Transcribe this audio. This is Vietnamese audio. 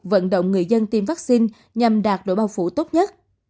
vận động người dân tiêm vaccine nhằm đạt độ bao phủ tốt nhất